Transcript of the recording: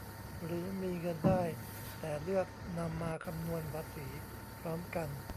หรือมีเงินได้แต่เลือกนำมาคำนวณภาษีพร้อมกัน